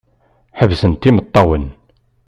Ḥebsent imeṭṭawen.